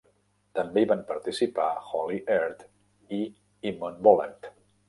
També hi van participar Holly Aird i Eamon Boland.